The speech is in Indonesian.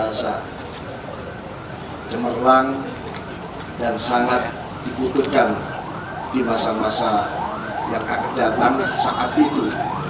yang sangat jemerlang dan sangat diputuskan di masa masa yang akan datang saat itu